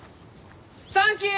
サンキュー！